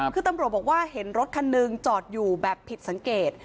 คือตำรวจบอกว่าเห็นรถคันหนึ่งจอดอยู่แบบผิดสังเกต